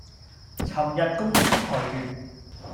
尋日公司裁員